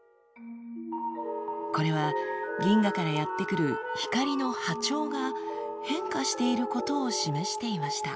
これは銀河からやって来る光の波長が変化していることを示していました。